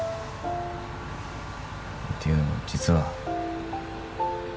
ていうのも実は